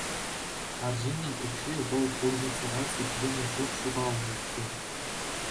Арҫыннӑн укҫи вӑл пульницӑра сипленнӗ чух ҫухалнӑ иккен.